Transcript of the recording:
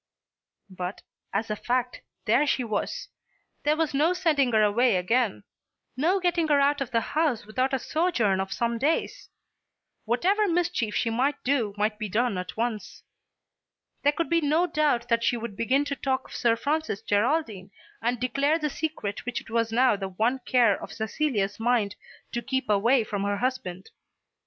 But, as a fact, there she was. There was no sending her away again; no getting her out of the house without a sojourn of some days. Whatever mischief she might do might be done at once. There could be no doubt that she would begin to talk of Sir Francis Geraldine and declare the secret which it was now the one care of Cecilia's mind to keep away from her husband.